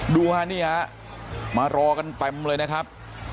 ดูกันนี่มารวกันไปเลยนะครับ